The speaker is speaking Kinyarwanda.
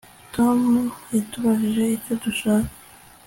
Tom yatubajije icyo dushaka